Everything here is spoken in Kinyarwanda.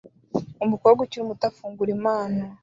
Umukobwa ukiri muto afungura impano